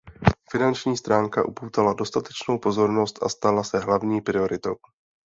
Finanční stránka upoutala dostatečnou pozornost a stala se hlavní prioritou.